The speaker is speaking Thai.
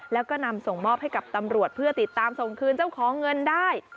แล้วก็นำส่งมอบให้กับตำรวจเพื่อติดตามส่งคืนเจ้าของเงินได้